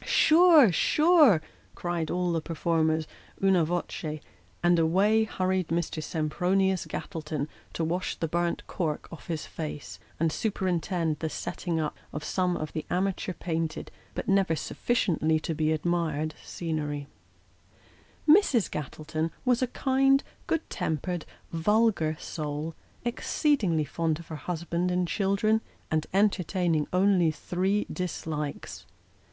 " Sure ! sure !" cried all the performers und wee and away hurried Mr. Sempronius Gattleton to wash the burnt cork off his face, and superintend the " setting up " of some of the amateur painted, but never sufficiently to be admired, scenery: Mrs. Gattleton was a kind, good tempered, vulgar soul, exceedingly fond of her husband and children, and entertaining only three dislikes.